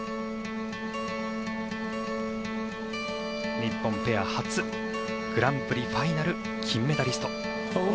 日本ペア初グランプリファイナル金メダリスト。